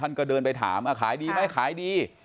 ก็เดินไปถามขายดีไหมขายดี